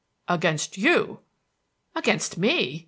"Against you." "Against me!"